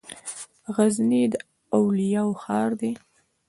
غزنی د اولیاوو ښار دی.